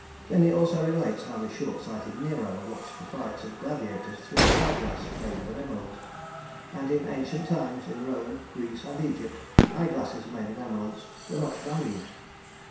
Pliny also relates how the short sighted Nero watched the fights of gladiators through an eye glass made of an emerald, and in ancient times, in Rome, Greece, and Egypt, eye glasses made of emeralds were much valued.